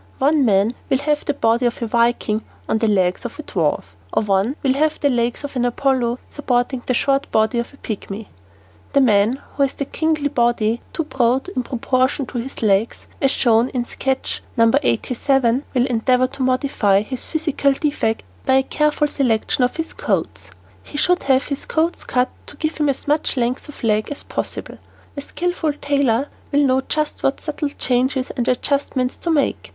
One man will have the body of a viking on the legs of a dwarf, or one will have the legs of an Apollo supporting the short body of a pigmy. The man who has a kingly body, too broad in proportion to his legs, as shown in sketch No. 87, should endeavor to modify his physical defect by the careful selection of his coats. He should have his coats cut to give him as much length of leg as possible. A skilful tailor will know just what subtle changes and adjustments to make.